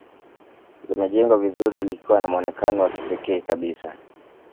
Limejengwa vizuri likiwa na mwonekano wa kipekee kabisa